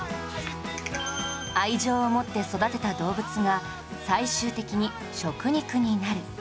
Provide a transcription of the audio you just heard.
愛情を持って育てた動物が最終的に食肉になる